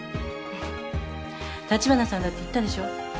立花さんだって言ったでしょ？